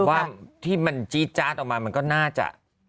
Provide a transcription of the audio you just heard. ว่าที่มันจี๊จาดออกมามันก็น่าจะ